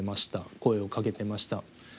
声をかけてました。